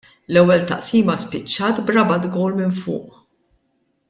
L-ewwel taqsima spiċċat b'Rabat gowl minn fuq.